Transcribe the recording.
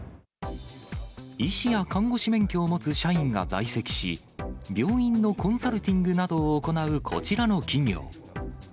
医師や看護師免許を持つ社員が在籍し、病院のコンサルティングなどを行うこちらの企業。